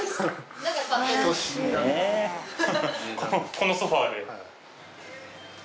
このソファで？